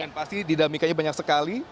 dan pasti didalemikannya banyak sekali